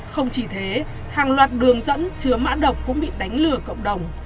không chỉ thế hàng loạt đường dẫn chứa mã độc cũng bị đánh lừa cộng đồng